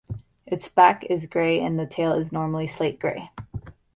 Its back is gray and the tail is normally slate-gray.